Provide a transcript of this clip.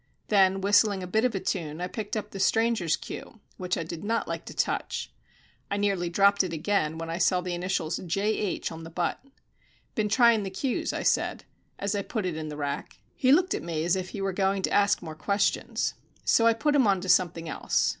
Then, whistling a bit of a tune, I picked up the stranger's cue, which I did not like to touch. I nearly dropped it again when I saw the initials "J.H." on the butt. "Been trying the cues," I said, as I put it in the rack. He looked at me as if he were going to ask more questions. So I put him on to something else.